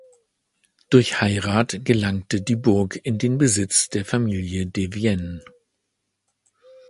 Durch Heirat gelangte die Burg in den Besitz der Familie de Vienne.